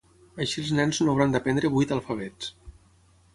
Així els nens no hauran d'aprendre vuit alfabets.